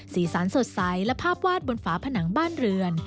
สีสันสดใสและภาพวาดบนฝาผนังบ้านเรือน